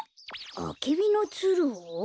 アケビのツルを？